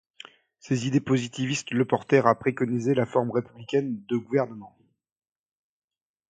Ses idées positivistes le portèrent à préconiser la forme républicaine de gouvernement.